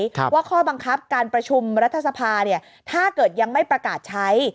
ว่าข้อบังคับการประชุมรัฐสภาเนี่ยถ้าเกิดยังไม่ประกาศใช้